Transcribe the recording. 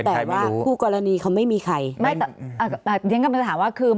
แต่ว่าคู่กรณีเขาไม่มีใครยังกับสถานว่าคือ